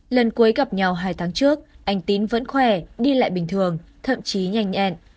lần cuối gặp nhau hai tháng trước anh tín vẫn khỏe đi lại bình thường thậm chí nhanh nhẹn